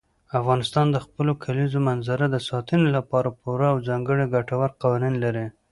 افغانستان د خپلو کلیزو منظره د ساتنې لپاره پوره او ځانګړي ګټور قوانین لري.